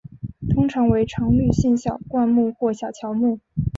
通常为常绿性小灌木或小乔木。